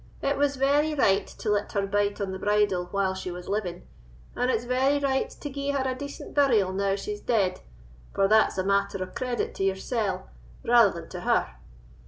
It was very right to let her bite on the bridle when she was living, and it's very right to gie her a decent burial now she's dead, for that's a matter o' credit to yoursell rather than to her.